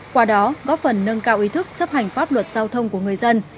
qua đó góp phần nâng cao ý thức chấp hành pháp luật giao thông của người dân